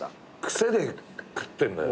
癖で食ってんのよみんな。